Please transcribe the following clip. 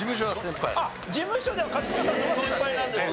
事務所では勝村さんの方が先輩なんですか？